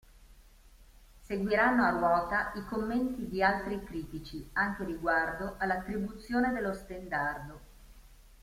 Seguiranno a ruota i commenti di altri critici, anche riguardo all'attribuzione dello stendardo.